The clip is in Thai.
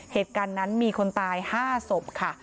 เหตุการณ์นั้นมีคนตาย๕ศพค่ะ